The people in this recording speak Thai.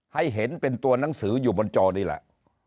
ให้เห็นเป็นตัวหนังสืออยู่บนจอนี่แหละ